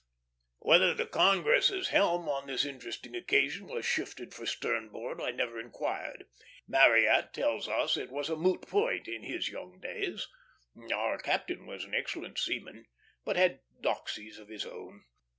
Whether the Congress's helm on this interesting occasion was shifted for sternboard I never inquired. Marryat tells us it was a moot point in his young days. Our captain was an excellent seaman, but had 'doxies of his own.